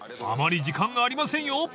［あまり時間がありませんよ！］